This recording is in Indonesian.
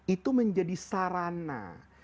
itu menjadi sarana